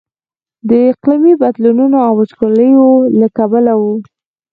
د اقلیمي بدلونونو او وچکاليو له کبله و.